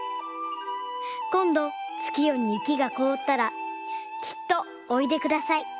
こんどつきよに雪がこおったらきっとおいでください。